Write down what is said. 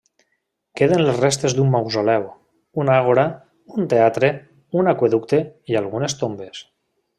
Queden les restes d'un mausoleu, una àgora, un teatre, un aqüeducte i algunes tombes.